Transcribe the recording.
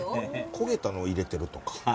焦げたのを入れてるとか？